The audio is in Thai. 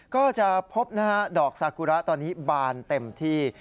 ก็จะพบดอกสักกุระตอนนี้บานเต็มที่